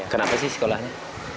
kenapa sih sekolahnya